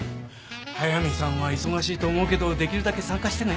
速見さんは忙しいと思うけどできるだけ参加してね。